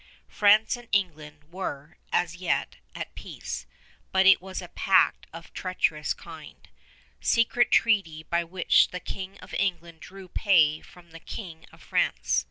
France and England were, as yet, at peace; but it was a pact of treacherous kind, secret treaty by which the King of England drew pay from the King of France.